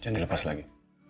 jangan dilepas lagi